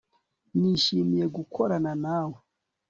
Nishimiye gukorana nawe